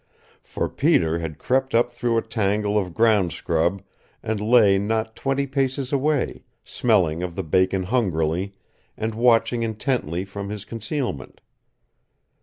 For Peter had crept up through a tangle of ground scrub and lay not twenty paces away, smelling of the bacon hungrily, and watching intently from his concealment.